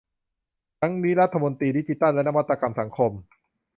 ทั้งนี้รัฐมนตรีดิจิทัลและนวัตกรรมสังคม